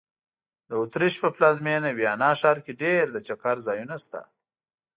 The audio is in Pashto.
د اوترېش په پلازمېنه ویانا ښار کې ډېر د چکر ځایونه سته.